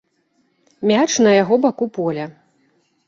Мяч на яго баку поля.